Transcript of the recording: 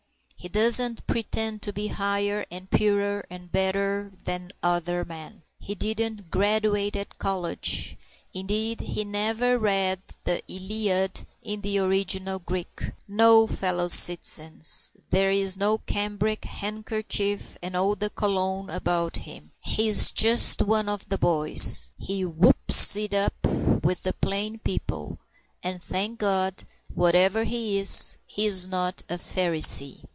He doesn't pretend to be higher and purer and better than other men. He didn't graduate at a college, indeed, and he never read the Iliad in the original Greek. No, fellow citizens, there is no cambric handkerchief and oh de cologne about him. He is just one of the boys. He whoops it up with the plain people, and, thank God, whatever he is, he is not a Pharisee.